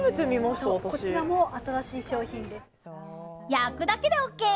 焼くだけでＯＫ！